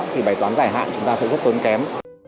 thì bài toán giải hạn chúng ta sẽ rất tốn kém